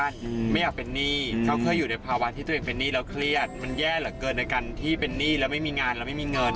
ในการที่เป็นหนี้แล้วไม่มีงานแล้วไม่มีเงิน